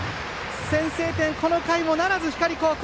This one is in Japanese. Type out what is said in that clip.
先制点、この回もならず光高校。